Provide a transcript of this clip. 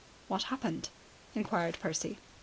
"What happened?" inquired Percy.